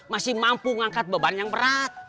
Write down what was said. masih mampu mengangkat beban yang berat